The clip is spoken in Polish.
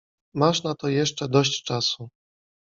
Masz na to jeszcze dość czasu.